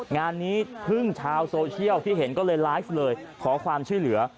งานนี้พึ่งชาวโซเชียลที่เห็นก็เลยไลฟ์เลยขอความช่วยเหลือ